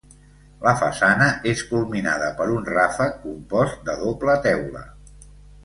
La façana és culminada per un ràfec compost de doble teula.